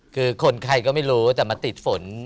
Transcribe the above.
คือคนใครก็ไม่รู้แต่มาติดฝน